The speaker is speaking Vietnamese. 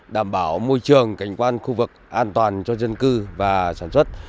đảm bảo môi trường cảnh quan khu vực an toàn cho dân cư và sản xuất